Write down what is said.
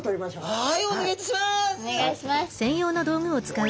はいお願いいたします！